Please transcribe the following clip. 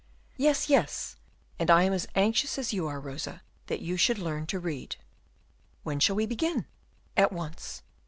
"Yes, yes, and I am as anxious as you are, Rosa, that you should learn to read." "When shall we begin?" "At once."